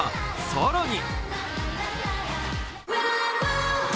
更に！！